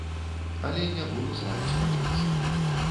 Але не буду з вамі спрачацца.